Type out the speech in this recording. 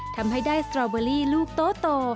ทำให้ได้สตรอเบอรี่ลูกโต